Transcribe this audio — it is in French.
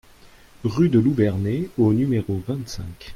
Rue de Louverné au numéro vingt-cinq